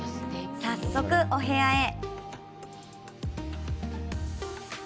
早速、お部屋へ。